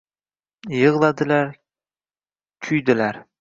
Yig’ladilar, kuydilar.